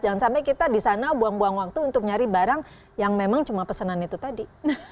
jangan sampai kita di sana buang buang waktu untuk nyari barang yang memang cuma pesanan itu tadi